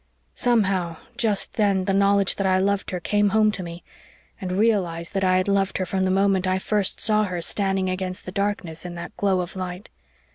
Somehow, just then the knowledge that I loved her came home to me and realised that I had loved her from the moment I first saw her standing against the darkness in that glow of light.